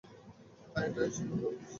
হ্যাঁ, এটাই সেই ওভাল অফিস।